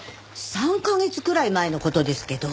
３カ月くらい前の事ですけど。